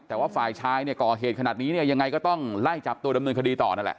แต่ว่าฝ่ายชายเนี่ยก่อเหตุขนาดนี้เนี่ยยังไงก็ต้องไล่จับตัวดำเนินคดีต่อนั่นแหละ